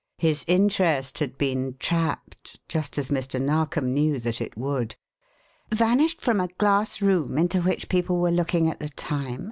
His interest had been trapped, just as Mr. Narkom knew that it would. "Vanished from a glass room into which people were looking at the time?